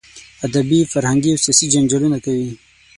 ادبي، فرهنګي او سیاسي جنجالونه کوي.